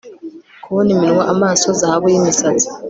Kubona iminwa amaso zahabu yimisatsi